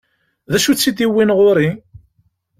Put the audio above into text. D acu i tt-id-iwwin ɣur-i?